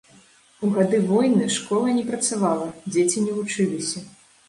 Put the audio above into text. У гады войны школа не працавала, дзеці не вучыліся.